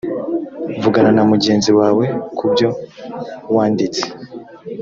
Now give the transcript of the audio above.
vugana na mugenzi wawe ku byo wanditse